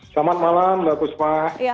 selamat malam bagus pak